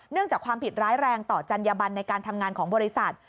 จากความผิดร้ายแรงต่อจัญญบันในการทำงานของบริษัท